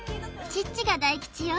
チッチが大吉よ